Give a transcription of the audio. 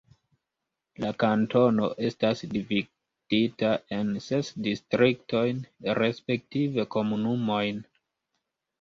La kantono estas dividita en ses distriktojn respektive komunumojn.